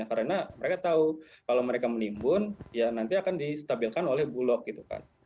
karena mereka tahu kalau mereka menimbun ya nanti akan distabilkan oleh bulog gitu kan